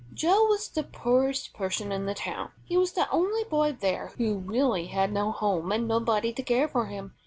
Joe was the poorest person in the town. He was the only boy there who really had no home and nobody to care for him.